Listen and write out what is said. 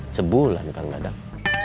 sebulan kang dadang